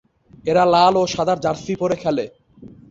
এবং এরা লাল ও সাদা জার্সি পরে খেলে।